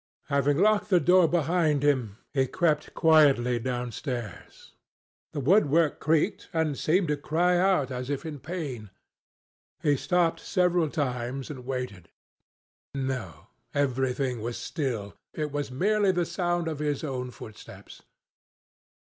Having locked the door behind him, he crept quietly downstairs. The woodwork creaked and seemed to cry out as if in pain. He stopped several times and waited. No: everything was still. It was merely the sound of his own footsteps.